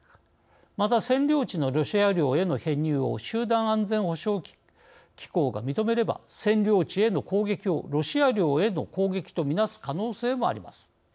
また、占領地のロシア領への編入を集団安全保障機構が認めれば占領地への攻撃をロシア領への攻撃とみなす可能性もあります。